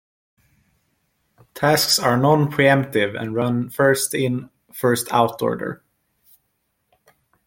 Tasks are non-preemptive and run in first in, first out order.